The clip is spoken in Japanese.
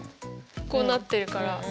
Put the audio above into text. こうなってるから。